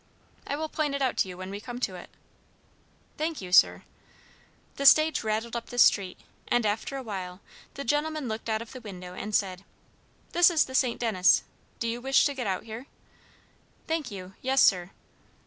I will point it out to you when we come to it." "Thank you, sir." The stage rattled up the street, and after a while the gentleman looked out of the window and said: "This is the St. Denis. Do you wish to get out here?" "Thank you. Yes, sir."